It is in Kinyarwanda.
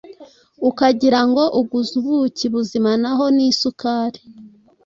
ukagirango uguze ubuki buzima naho nisukari